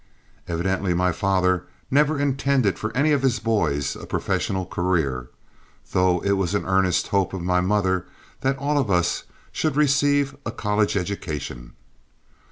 Evidently my father never intended any of his boys for a professional career, though it was an earnest hope of my mother that all of us should receive a college education.